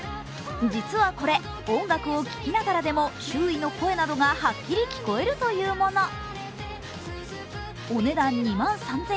実はこれ、音楽を聴きながらでも周囲の声などがはっきり聞こえるというもの。